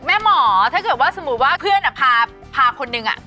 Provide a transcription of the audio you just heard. หมอถ้าเกิดว่าสมมุติว่าเพื่อนพาคนนึง